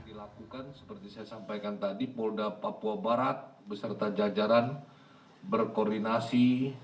dilakukan seperti saya sampaikan tadi polda papua barat beserta jajaran berkoordinasi